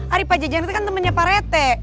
ari pak jajang itu kan temennya pak rete